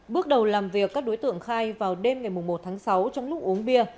bước đầu làm việc các đối tượng khai vào đêm ngày một tháng sáu trong lúc uống bia